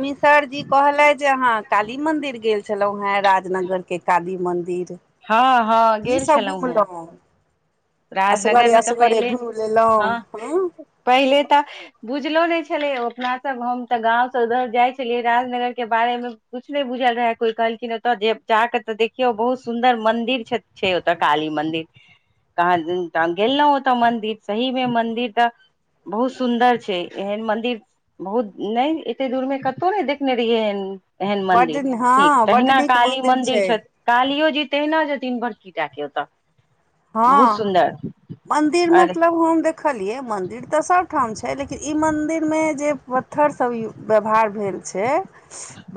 मिसर जी कहलैथ जे अहाँ काली मंदिर गेल छलहुं हें राजनगर के काली मन्दिर, हँ तऽ हँ की गेल सभ छलहुँ हेँ घुमलहुँ। राजनगर असगरे मे तऽ असगरे पहिले घुमि लेलहुँ हँ हुं। पहिले तऽ। बुझलो नहि छलै ओ अपना सब हम तऽ गाँवसँ उधर जाइ छलियै राजनगर के बारेमे किछु नहि बुझल रहै, कोइ कहलखिन ओतय जे जाकऽ तऽ देखियौ बहुत सुन्दर मन्दिर छथि। छै ओतऽ काली मन्दिर। कहाँ त गेलहुं ओतऽ मंन्दिर, सहीमे मंन्दिर तऽ बहुत सुन्दर छै, एहन मन्दिर बहुत नहि एते दूरमे कतहु नहि देखने रहियै एहेन एहन बड्ड मन्दिर नीक, हँ बड्ड तहिना नीक काली मन्दिर छै छथि। कालियो जी तहिना छथिन बड़की टा के ओतऽ। बहुत हँ, सुन्दर मन्दिर अरे मतलब हम देख देखलिये, मंदिर त सब ठाम छै, लेकिन इ मंदिर में जे पत्थर सब यू व्यवहार भेल छै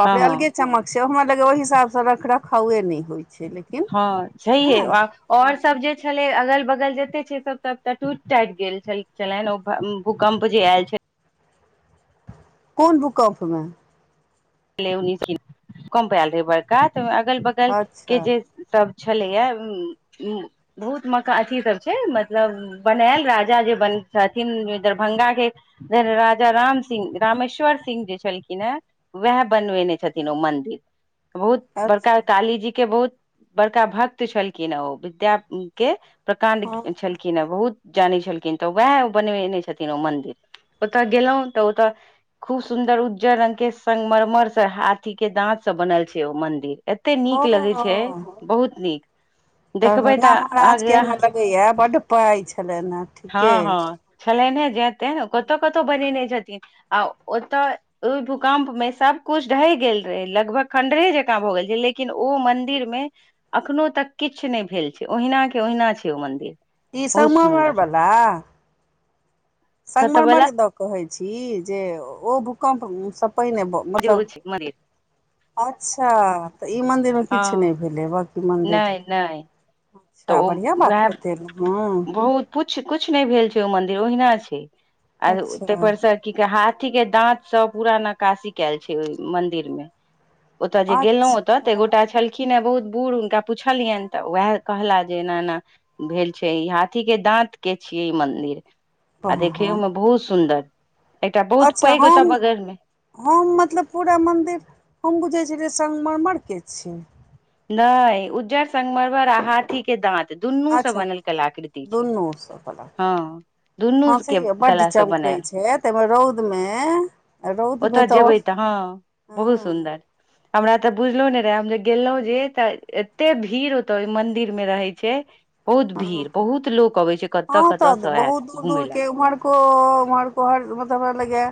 बाप हँ रे हँ अलगे चमक छै, हमरा लगैये ओहि हिसाब से रख रखावे नै होइ छै। लेकिन हँ छैहे आ नहि और सब जे छलै, अगल बगल जते छै सब टूट टाट गेल छलनि। भूकम्प जे आयल छलै कोन भूकंप मे भूकंप आयल रहै बड़का तऽहि अगल बगल के अच्छा जे सब छलैये बहुत मका अथी सब छै मतलब बनायल राजा जे बन रहथिन दरभंगा के नैई नैइ राजा राम सिंह रामेश्वर सिंह जे छलखिन है। वएह बन बेने छथिन ओ मन्दिर बहुत बड़का अच्छा काली जी के बहुत। बड़का भक्त छलखिन ओ विद्या के प्रकाण्ड हँ छलखिन। खिन बहुत जानै छलखिन तऽ उएहै बनबेने छथिन ओ मंदिर। ओता गेलहुं तऽ ओता खूब सुन्दर उज्जर रंग के। संगमरमर स हाथी के दांत स बनैल छैय ओ मंदिर। एते ओ नीक लगैय छैय बहुत नीक। देखबै दरभंगा तऽ महाराज के अहाँके हमरा लगैया बड्ड पाइ छलनि हे ठीके अई। छलैय ने जैते ने कतौ कतौ बनेने छथिन आ ओतऽ। भूकम्प में सब कुछ ढहि गेल रहैय लगभग खं्डरे जका भऽ गेल छैय लेकिन ओ मंदिर मे। अखनो तक किछ नइ भेल छैय ओहिना के ओहिना छैय ओ मंदिर। ई बहुत संगमरमर सुन्दर बला। कतऽ संगमरमर बला दऽ कहैय छी जे ओ भूकम्प स पहिने भ। जेहो छैय मरी। अच्छा तऽ ई मंदिर मे किछ नइ हँ भेलैय बकि मन्दिर। नहि नहि तऽ अच्छा ओ बढ़ियां बात वएह बतेलौउ हं। बहुत कुछ कुछ नइ भेल छैय ओ मंदिर ओहिना छैय आ तै अच्छा परस। की हाथी के दात सब पूरा नकासी कैल छैय ओइ मंदिर मे। ओतऽ जे गेलहुॅं अच्छा ओतऽ तऽ ए गोटा छलखिन हे बहुत बूढ़ हुनका पुछलियनि तऽ उएह। कहला जे एना एना भेल छैय ई हाथी के दाँत के छियै ई मन्दिर। आ हँ हँ देखैोयो मे बहुत सुन्दर। अच्छा हम। हम मतलब पूरा मंदिर हम बुझैछेलियै संगमरमर के छैय। नई उज्जर संगमरमर आ हाथी के दाँत। तऽ दुन्नू स अच्छा बनल कलाकृति छैय दुनू सब बला हं। दुनू के कला स बनायल। तैमे रौद मे ओतऽ जेबैय तऽ ह बहुत हँ सुंदर हमरा तऽ बुझलो नैइ रहै हम जे गेलहुं जे तऽ एते भीड़ ओत ओ मंदिर मे रहैय छैय। बहुत भीड़ बहुत लोक अबैय छैय कतऽ कतऽ स ऐत घूमय लए ओ हमर घर मतलब हमरा लगैया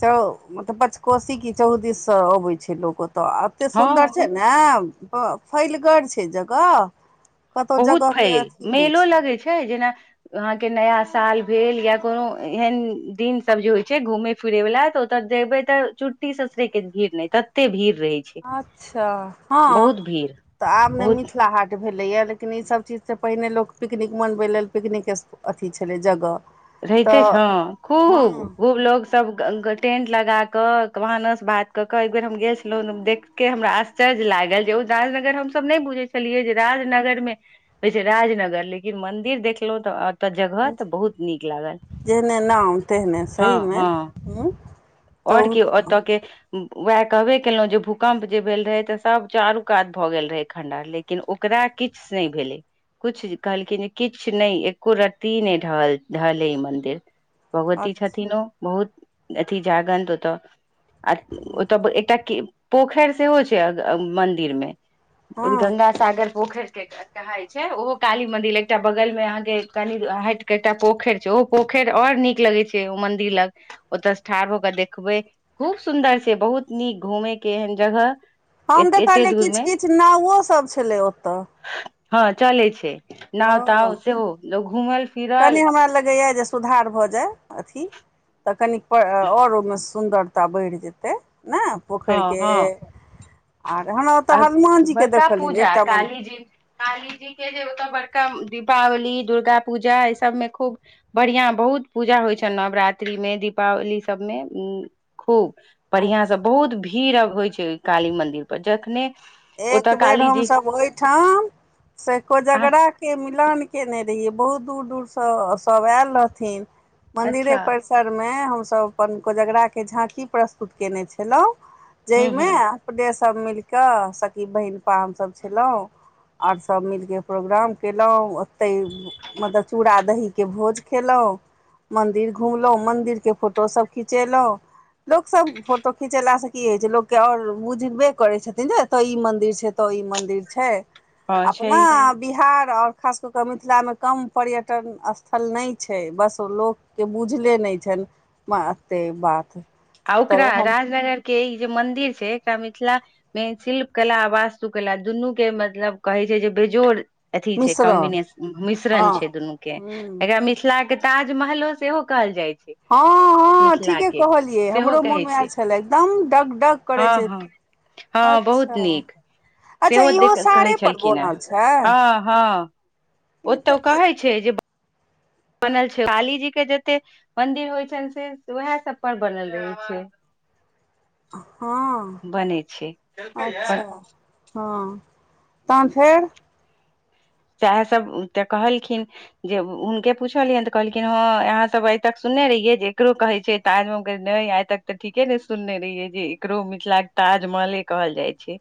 चौ मतलब पच कोसी की चौहदीस सँ अबैत छैय लोक ओतऽ एते हँ सुन्दर छैय ने फैलगर छैय जगह कतौऽ जगह के छैय अथी नहि मेलो छै लगैय छैय जेना अहाँ के नया साल भेल या कोनो एहन दिन सब जे होइ छैय घूमे फिरे वला तऽ ओत जेबे ते चुट्टी ससुरे के भीड़ नहि तते भीड़ रहे छैय। अच्छा हँ तऽ आब नै बहुत मिथिला हाट भेलैया लेकिन ईसभ चीज स पहिने लोक पिकनिक मनबै लेल पिकनिक अथी छलै जगह रहिते तऽ छौ हं खूब हँ खूब लोक सब टेंट लगा कऽ भानस भात कऽ कऽ एइ बेर हम गेल छलहुं देख के हमरा आश्चर्य लागल जे ओ राजनगर हमसभ नई बुझैय छेलियै जे राजनगर मे होैइ छैय राजनगर लेकिन मन्दिर देखलहुं तऽ ओतऽ जगह तऽ बहुत नीक लागल जेहने नाम तेहने हँ सही मे हँ हूं और की ओतऽ के वैह कहबे केलहु जे भूकम्प जे भेल रहेय तऽ सब चारू कात भए गेल रहेय खंडहर ले किन ओकरा किछ नय भेलै‌। कुछ ज कहलखिन जे किछ नय एक्को रत्ती नय ढह- ढहलै मन्दिर। भगवती छथिन अच्छा ओ बहुत अथी जागंत ओतऽ। आ ओतऽ एकटा- के पोखैर सेहो छै अ- मन्दिर मे। ओ हँ गंगा सागर पोखैरके कहाय छै ओहो काली मंदिर एकटा बगल में अहाँके कनि हइट के एकटा पोखैर छै। ओहो पोखैर और नीक लगै छै ओ मंदिर लग। ओतऽ ठाढ़ भकऽ देखबै। खूब सुन्दर छै। बहुत नीक घूमय के एहन जगह हम तऽ एते देखलियै दूर किछ मे किछ नाउवो सब छलै ओतऽ हँ चलै छै। नाव हँ -ताव सेहो लोक घुमल- कनि फिरल हमरा लगेयैऽ जे सुधार भऽ जाय अथी। तऽ कनी पर और ओय मे सुन्दर भा बैढ़ जेतै ने? पोखैर हँ के, हँ आर हमा- आ- बड़का पूजा कालीजी काली जी के जे ओतऽ बड़का दीपावली दुर्गा पूजा इ सबमे खूब बढ़ियां बहुत पूजा होइ छैन नवरात्रि मे दीपावली सबमे उ- खूब अच्छा बढ़िआंसँ। बहुत भीड़ अब होइ छै ओय काली मंन्दिर पर। जखने एक ओतऽ बेर काली जी हमसब ओयठाम अहाँ सेकोजगड़ा के मिलान केने रहियै बहुत दूर -दूरसँ सब ऐऽल रहथिन मन्दिरे अच्छा परिस्- सरमे हमसब अपन कोजगराके झाँकी प्रस्तुत केने छलहुँ हूँ जयमे हूँ पडे सब मिल कऽ सकी बहिनपा हमसब छलहुँ आओर सब मिलके प्रोग्राम केलहुॅँ तै- म-मतलब चूड़ा -दहीके भोज खेलहुँ। मन्दिर घुमलहुँ, मन्दिरके फोटोसब खिचेलहुँ लोक सब फोटो खिचेला से की होइ छै लोक के और बुझबे करै छथिन जे तऽ ई मंदिर छै ओतऽ ई मंदिर छै। हँ अपना छै बिहार आओर खास कऽ कऽ मिथिलामे कम पर्यटन स्थल नय छै बस लोक के बुझले नय छैन म- एत्ते बात आ ओकरा तऽ हम राजनगर के ई जे मंदिर छै एकरा मिथिला मेन शिल्प कला आ वास्तु कला दुन्नु के मतलब कहै छै जे बेजोड़ अथी छै मिश्रण कम्बिनेशन मिश्रण हँ छै दुनू के। हूँ एकरा मिथिला के ताजमहलो सेहो कहल जाइ छै। हँ- हँ- मिथिला ठीके के कहलियै सेहो हमरो मोन कहै मे ऐल छै छलै। एकदम डग- डग करै हँ छै। हँ हँ बहुत अच्छा। नीक अच्छा सेहो इहो देख कहै साड़ेपर छलखिन हेँ बनल छै? ई ओतऽ तऽ ई कहै छै जे बा- बनल छै काली जी के जत्ते मंदिर होइ छैन से उहैऽ सब पर बनल रहै छै। हँ। बनै छै अच्छा। हँ- तहन फेर? सैह सब तऽ कहलखिन। जे हुनके पुछलियैन तऽ कहलखिन हँ अहाँसभ आइ तक सुनने रहियै जे एकरो कहै छै। ताजमऽनय आइ तक तऽ ठीके ने सुनने रहियै जे एकरो मिथिलाक के ताजमहले कहल जाइ छै।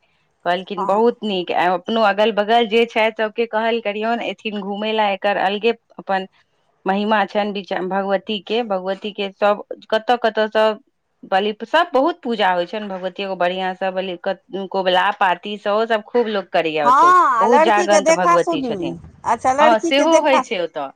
कहलखिन हँ बहुत नीक आ-अपनो अगल -बगल जे छैथि से के कहल करिऔन एथिन घुमै लय। एकर अलगे अप्पन महिमा छैन बिच- भगवती के भगवती के सब कत्तऽ कत्तऽ सब बलि प-सभ बहुत पूजा होइ छैन भगवतियोके बढ़िआँसँ बल- कोबला पाती सेहो सभ खूब लोक। करी आतै हँ बहु लड़की के जागल देखा भगवती सुनी छथिन्ह अच्छा हँ लड़की के सेहो होई देखा छै ओतय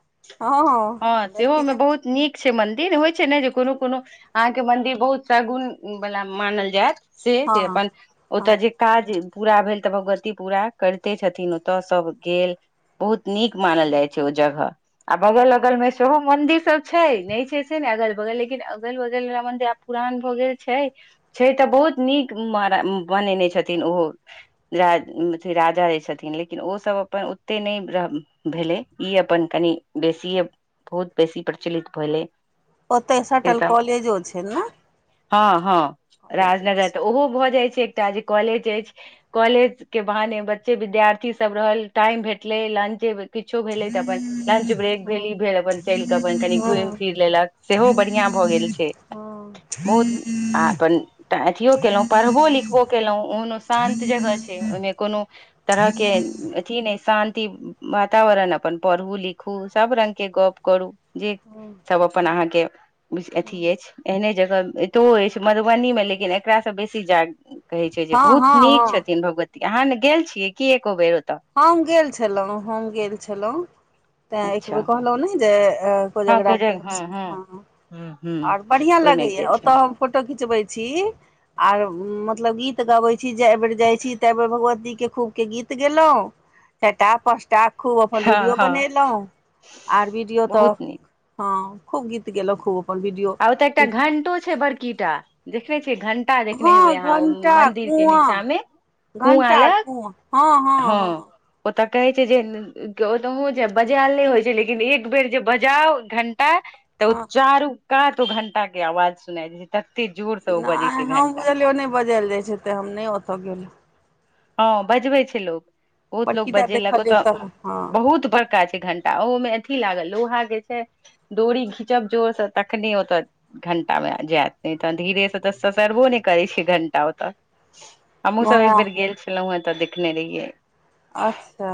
हँ सेहो लड़की मे ले बहुत बहुत नीक छै मंदिर होइ छै ने जे कोनो कोनो। अहाँके मंदिर बहुत शगुन बला मानल जायत। से जे हँ अपन हँ ओतय जे काज पूरा भेल तऽ भगवती पूरा करिते छथिन ओतय सब गेल बहुत नीक मानल जाइ छै ओ जगह आ बगल अगल में देखु मंदिर सब छै नहि छै से नै अगल बगल लेकिन अगल बगल वला मंदिर आब पुरान भऽ गेल छै। छै तऽ बहुत नीक मर बनेने छथिन ओहो। राज उम छै राजा रे छथिन लेकि लेकिन ओ सब अपन ओते नहि भरम भेलै ई अपन कनि बेसीए बहुत बेसी प्रचलित भेलै। ओतै से सटल सब कॉलेजो छै नऽ। हँ हँ राजनगर त छै ओहो भऽ जाइ छै एकटा जे कॉलेज जाइछी। कॉलेज के बहाने बच्चे विद्यार्थी सब रहल टाइम भेटले लंचे किछो भेलै तऽ अपन लंच ब्रेक भेल ई भेल अपन चलि कऽ अपन कनि घुइम फिर लेलक सेहो बढ़िया भऽ गेल छै। हँ। बहुत आ अपन तऽ अथियो केलहुँ पढ़बो लिखबो केलहुँ ओहनो शान्त जगह छै ओहिमे कोनो तरह के अथी नहि शान्ति वातावरण अपन पढू लिखू सब रंग के गप करू। जी सब अपन अहाँके बुझ अथी अछि। एहने जगह एतो अछि मधुबनी मे लेकिन एकरा से बेसी जा कहै छै जे हँ हँ बहुत नीक हँ छथिन भगवती अहाँ ने गेल छिय की एको बेर ओतय। हम गेल छलहुँ हम गेल छलहुँ तय एक अच्छा बेर कहलहुँ नै जे अ हँ कोजगरा को के जगह हँ हँ हमसब ह ह ह आर बढ़िया ओहिमे लगैया गेल ओतऽ छलहुँ हम फोटो खिचबै छी। आर उम मतलब गीत गबै छी जाए बेर जाय छी ता बेर भगवती के खूब के गीत गेलै। चारि टा पाँच टा खूब अपन हँ वीडियो हँ बनेलहुँ आर वीडियो तऽ। बहुत नीक हँ खूब गीत गेलेहु खूब अपन वीडियो। आ ओत एकटा घंटो छै बड़कीटा देखने छियै घं कटा देखने हेबै हँ अहाँ ओ म- मंदिर के नीचा मे। कुआँ घंटा आ लग कुआँ हँ हँ हँ। ओतऽ कहै छै जे ओतहु जे बजायल नहि होइ छै लेकिन एक बेर जे बजाउ घंटा। त उ हँ चारू कात ओ घंटा के आवाज सुनाई देत तते जोड़। नहि हम बुझलियै ओ नहि बजायल जाइ छै तऽ हम नहि ओतय गेलहु। हँ बजबे छै लोक बहुत लोक बड़कीटा बजेलक देखलियै ओतऽ तऽ हँ बहुत बड़का छै घंट तऽ अहू मे अथी लागल लोहा जे छै डोरी घिचब जोर सँ तखने ओतऽ। घंटा ब जायत नहि तऽ धीरे सँ तऽ ससरबो नहि करै छैय घंटा ओत। हमहुँ सब एक महाराज बेेर गेल छलौ हँ तऽ देखने रहियै। अच्छा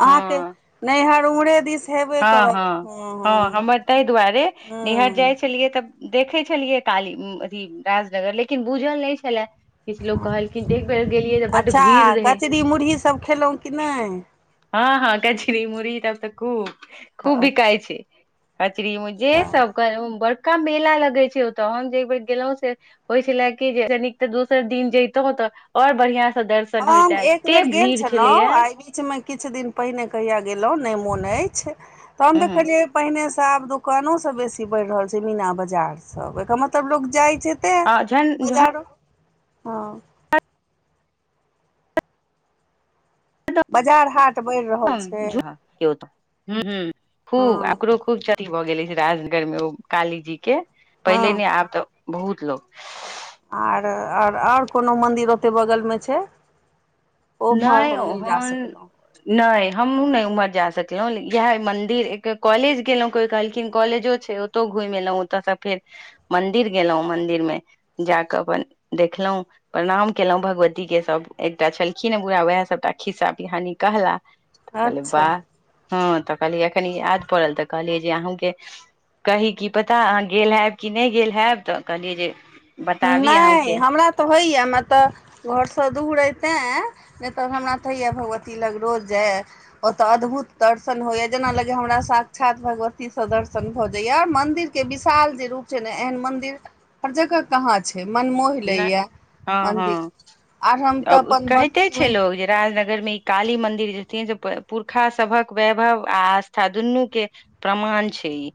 अहाँके हँ नैहर उम्हरे दिस। हँ हँ हँ हमर ताहि दुआरे नैहर जाइ हूँ छलियै तऽ। देखै छलियै काली उम अथी राजनगर लेकिन बूझल नहि छलेए। किछ लोक कहलखिन एक बेर गेलियै तऽ बड्ड अच्छा भीड़ रहै। कचरी मुरही सब खेलहुँ कि नहि हँ हँ कचरी मुरही तब तऽ खूब। खूब बिकाइ अच्छा छै कचरीमे जे सब बड़का मेला लगै छै ओतऽ हम जे अइबेर गेलहुं से। होइ छले कि जे अइ से नीक तऽ दोसर दिन जइतों तऽ और बढ़ियां से दर्शन। होइत हम एक एते बेर गेल भीड़ छलैया छलहुँ आय बीच में किछ दिन पहिने कहिया गेलहुँ नहि मोन अछि, त हम उहूं देखलियै। पहिनेसँ आब दोकानो सब बेसी बढ़ि रहल छै मीना बजार सब, एकर मतलब लोक जाइ छै। तें आ जैन जेहे। बजारो हँ। बजार हाट। बढ़ि रहल छै हूँ खूब आ हँ एकरो खूब च भऽ गेल अछि राजनगर मे ओ काली जी के पहिले हँ ने आब तऽ बहुत लोक। आर आओर कोनो मन्दिर ओते बगलमे छै। ओम्हर हम नहि जा सकलहुँं। नहि हमहूँ ने उम्हर जा सकलहुं इएह मंदिर एक कॉलेज गेलहुं कोइ कहलखिन कॉलेजो। ओतौ घुमि एलहुँ ओतयसँ फेर मंदिर गेलहुँं मंन्दिर मे। जा कऽ अपन देखलहुँ प्रणाम केलहुँं भगवती के सब एकटा छल खीन हे बुरहा उएह सभटा खिस्सा पिहानी कहला कहलिए अच्छा वाह। हँ तऽ कहलियै एखन याद पड़ल तऽ कहलियै जे अहूँके। कही की पता अहाँ गेल हेएब कि नहि गेल हेएब तऽ कहलियै जे बताबी नहि अहूँके हमरा तऽ होइए न तऽ घरसँ दूर अय तँए नहि तऽ हमरा तऽ होइये भगवती लग रोज जाय। ओतय अद्भुत दर्शन होइये जेना लागैये हमरा साक्षात भगवतीसँ दर्शन भऽ जाइये मंन्दिर। के विशाल जे रूप छै ने एहन मंदिर हर जगह कहाँ छै मनमोहि नहि लैये हँ मन्दिर हँ आर हम तऽ अपन कहिते भक्तिमे। छै लोग जे राजनगर में ई काली मंदिर जे छथिन से पुरखा सभक वैभव आ आस्था दुनू के प्रमाण छै ई।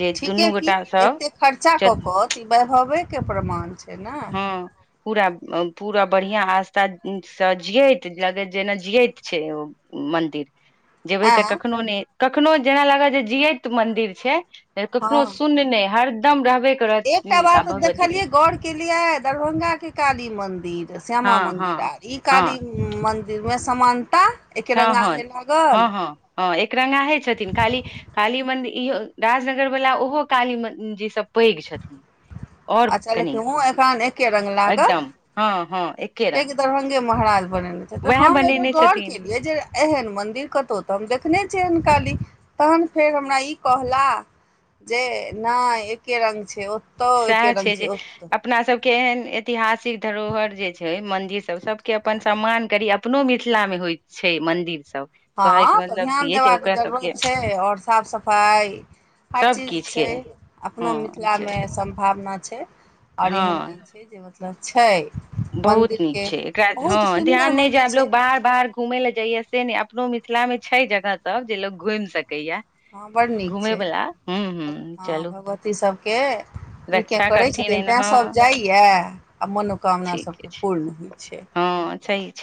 जे दुनू ठीके की गोटा सब एते खर्चा कऽ कऽ त ई बैभवे के प्रमाण छै न। हँ। पूरा पूरा बढ़ियां आस्था से जियैत लगै जेना जियैत छै ओ। मंन्दिर जेबै तऽ आँ कखनो नहि कखनो जेना लागत जे जियैत मन्दिर छै। कखनो हँ सुन नहि हरदम रहबे। करत एकटा आ बात भगवती देखलियै के गौर। [unintelligible] केलिये दरभंगा के काली मंदिर श्यामा हँ हँ मंदिर आर ई हँ काली मन्दिरमे समानता एकेरङ्गा साहन हे हँ लागल। हँ हँ एकरंगाहे छथिन खाली काली मन्दिर ईहो राजनगर वला ओहो काली म जी सब। पैघ छथिन। और अच्छा कनि लेकिन मुँह आ कान एके रंग लागल। एकदम हँ हँ एके रंग दरभंगे महाराज बनेने छथि तऽ वएह हम एकर बनेने गौर छथिन केलियै जे एहन मंदिर कतौ तऽ हम देखने छिय एहन काली तहन फेर हमरा ई कहला जे नहि एके रंग छै ओतौ सएह एके रंग जे छै ओतो। अपना सबके एहन ऐतिहासिक धरोहर जे छै मन्दिर सब सबके अपन सम्मान करी। अपनो मिथिला मे होय छै मंदिर सब। कहै के हँ तऽ मतलब ध्यान से छै देबाक ओकरा सबके जरूरत छै आओर साफ सफाइ हर सब चीज किछ छै, के अपनो हँ छै मिथिलामे सम भावना छै आओर एहन हँ छै जे मतलब छै। बहुत नीक मन्दिरके छैय एकरा बहुत हँ सुन्दर ध्यान नहि जा मन्दिर आब छै लोग बाहर बाहर घूमे ले जइये से ने अपनो मिथिला में छैय जगह सब जे लोग घूम सके या। हँ बड़ नीक छैय हूँ हँ चलू भगवती सभके नीके रक्षा करैत करथिन छथिन एना तैँसभ हँ जाइए आ मनोकामना ठीके सभके छै पूर्ण होइत छैय। हँ सही छै